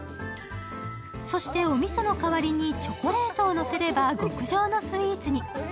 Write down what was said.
そしておみその代わりに、チョコレートをのせれば極上のスイーツに。